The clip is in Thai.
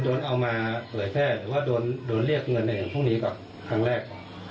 โดนเอามาเผยแฟ้หรือว่าโดนเรียกเงินในอย่างพวกนี้ก่อนครั้งแรก